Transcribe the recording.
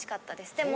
でも。